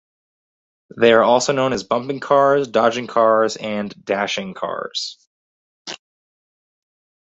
They are also known as bumping cars, dodging cars and dashing cars.